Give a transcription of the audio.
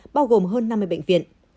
bao gồm hơn năm mươi bệnh viện